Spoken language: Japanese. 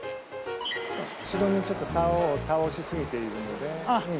後ろにちょっとサオを倒しすぎているので。